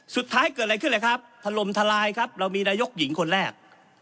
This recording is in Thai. สุดท้ายเกิดอะไรขึ้นเลยครับทะลมทลายครับเรามีนายกหญิงคนแรก